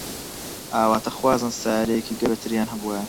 ئاواتەخوازن سەیارەیەکی گەورەتریان هەبوایە.